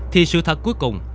thì sự thật cuối cùng